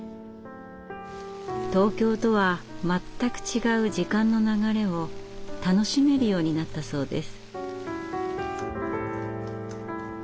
東京とは全く違う時間の流れを楽しめるようになったそうです。